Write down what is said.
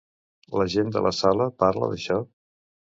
La gent de la sala parla d'això?